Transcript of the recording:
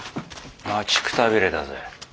待ちくたびれたぜ。